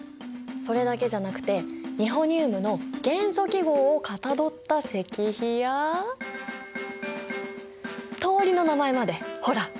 それだけじゃなくてニホニウムの元素記号をかたどった石碑や通りの名前までほら！